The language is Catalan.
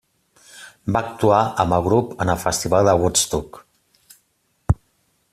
Va actuar amb el grup en el festival de Woodstock.